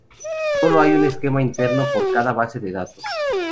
Solo hay un esquema interno por cada base de datos.